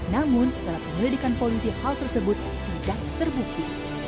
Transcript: namun dalam penyelidikan polisi hal tersebut tidak terbukti